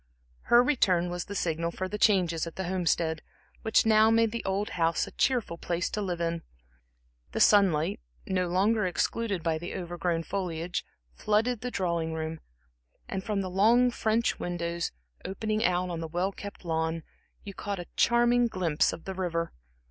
Her return was the signal for the changes at the Homestead, which now made the old house a cheerful place to live in. The sunlight, no longer excluded by the overgrown foliage, flooded the drawing room, and from the long French windows, opening out on the well kept lawn, you caught a charming glimpse of the river.